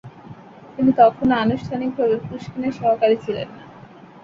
তিনি তখনো আনুষ্ঠানিকভাবে পুশকিনের সহকারী ছিলেন না।